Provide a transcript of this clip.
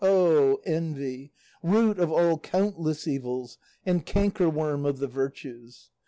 O envy, root of all countless evils, and cankerworm of the virtues!